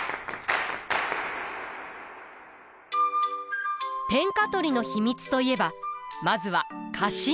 天下取りの秘密といえばまずは家臣団。